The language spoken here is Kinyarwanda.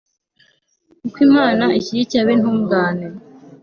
kuko imana ishyigikiye ab'intungane